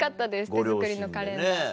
手作りのカレンダー。